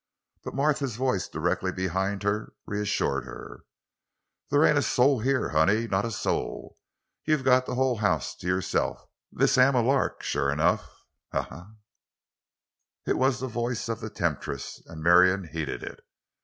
But Martha's voice directly behind her, reassured her. "They ain't a soul here, honey—not a soul. You've got the whole house to yo'self. This am a lark—shuah enough. He, he, he!" It was the voice of the temptress—and Marion heeded it.